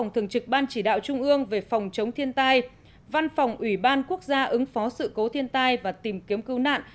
trung ương về phòng chống thiên tai văn phòng ủy ban quốc gia ứng phó sự cố thiên tai và tìm kiếm cứu nạn